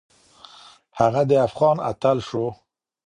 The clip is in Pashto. هغه د افغان اتل شو